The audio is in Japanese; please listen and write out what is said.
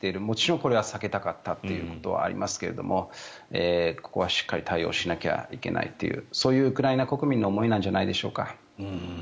もちろんこれは避けたかったということはありますがここはしっかり対応しなきゃいけないというそういうウクライナ国民の思いなんじゃないでしょうか。